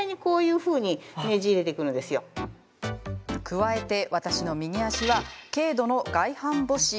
加えて、私の右足は軽度の外反ぼし。